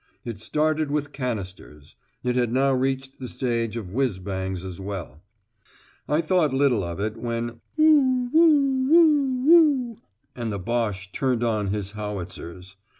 It started with canisters; it had now reached the stage of whizz bangs as well. I thought little of it, when "woo woo woo woo," and the Boche turned on his howitzers.